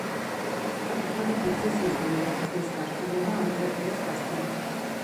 საკუთარი ღერძის ირგვლივ, მზის გარშემო და ამ წერტილის გარშემო.